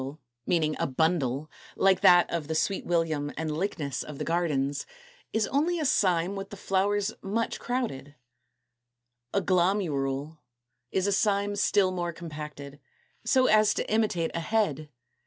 =A Fascicle= (meaning a bundle), like that of the Sweet William and Lychnis of the gardens, is only a cyme with the flowers much crowded. 222. =A Glomerule= is a cyme still more compacted, so as to imitate a head.